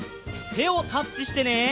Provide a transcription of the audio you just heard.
てをタッチしてね！